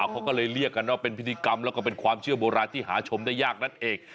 เขาก็เลยเรียกกันว่าเป็นพิธีกรรมแล้วก็เป็นความเชื่อโบราณที่หาชมได้ยากนั่นเอง